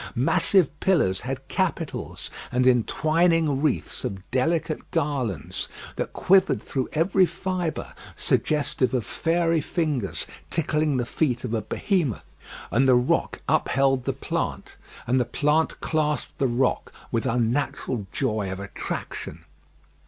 Massive pillars had capitals and entwining wreaths of delicate garlands, that quivered through every fibre, suggestive of fairy fingers tickling the feet of a Behemoth, and the rock upheld the plant, and the plant clasped the rock with unnatural joy of attraction.